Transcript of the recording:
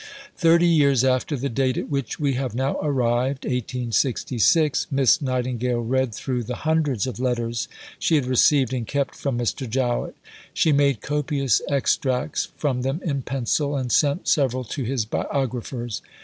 Thirty years after the date at which we have now arrived (1866), Miss Nightingale read through the hundreds of letters she had received and kept from Mr. Jowett. She made copious extracts from them in pencil, and sent several to his biographers.